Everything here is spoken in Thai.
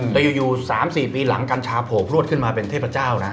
แต่อยู่๓๔ปีหลังกัญชาโผล่พลวดขึ้นมาเป็นเทพเจ้านะ